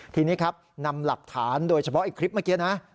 ทีนี้ครับนำหลักฐานโดยเฉพาะไอ้คลิปเมื่อกี้นะ